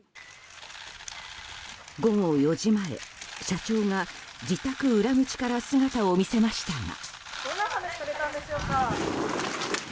午後４時前、社長が自宅裏口から姿を見せましたが。